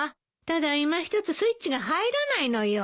ただいまひとつスイッチが入らないのよ。